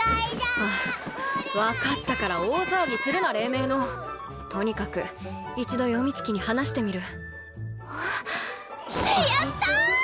ああ分かったから大騒ぎするな黎明のとにかく一度詠月に話してみるやった！